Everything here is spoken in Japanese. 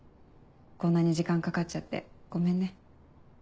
こんなに時間かかっちゃってごめんね。